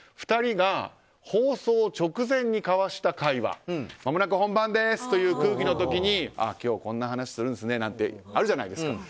２人が放送直前に交わした会話まもなく本番ですという空気の時に今日こんな話するんですねなんてあるじゃないですか。